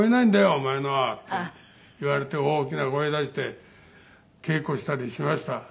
お前のは」って言われて大きな声出して稽古したりしました。